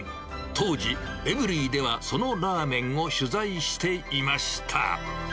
当時、エブリィではそのラーメンを取材していました。